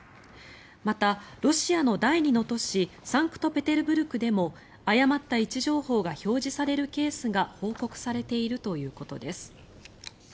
また、ロシアの第２の都市サンクトペテルブルクでも誤った位置情報が表示されるケースが報告されているということです。